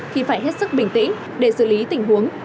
thì phải hết sức bình tĩnh để xử lý tình huống